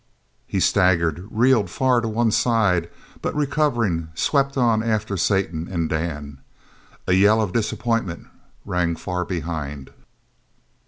He staggered, reeled far to one side, but recovering, swept on after Satan and Dan. A yell of disappointment rang far behind.